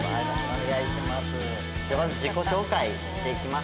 お願いします。